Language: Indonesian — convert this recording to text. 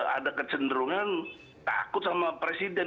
ada kecenderungan takut sama presiden